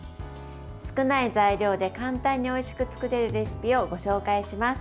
少ない材料で簡単においしく作れるレシピをご紹介します。